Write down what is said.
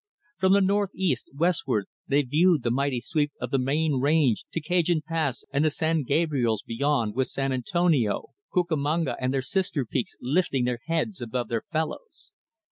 From the northeast, westward, they viewed the mighty sweep of the main range to Cajon Pass and the San Gabriels, beyond, with San Antonio, Cucamonga, and their sister peaks lifting their heads above their fellows.